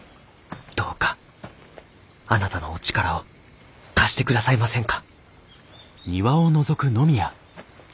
どうかあなたのお力を貸してくださいませんか？」。